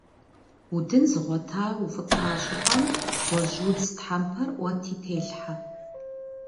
Удын зыгъуэта, уфӀыцӀа щӀыпӀэм гъуэжьудз тхьэмпэр Ӏуэти телъхьэ.